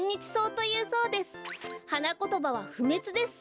はなことばはふめつです。